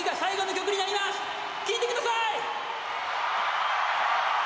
聴いてください！